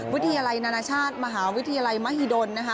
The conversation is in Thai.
วิทยาลัยนานาชาติมหาวิทยาลัยมหิดลนะคะ